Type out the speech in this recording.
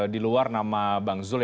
di luar nama bang zul